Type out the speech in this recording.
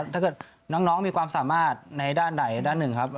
ถ้าเกิดน้องมีความสามารถในด้านใดด้านหนึ่งครับ